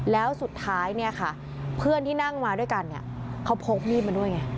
แล้วสุดท้ายเนี่ยค่ะเพื่อนที่นั่งมาด้วยกันเนี่ยเขาพกมีดมาด้วยไง